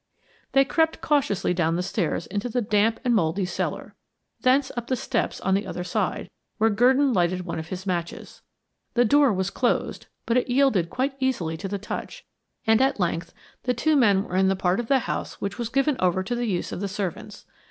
They crept cautiously down the stairs into the damp and moldy cellar; thence, up the steps on the other side, where Gurdon lighted one of his matches. The door was closed, but it yielded quite easily to the touch, and at length the two men were in the part of the house which was given over to the use of the servants.